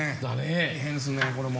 大変ですねこれも。